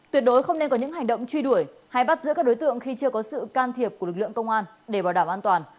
tuyệt đối không nên có những hành động truy đuổi hay bắt giữ các đối tượng khi chưa có sự can thiệp của lực lượng công an để bảo đảm an toàn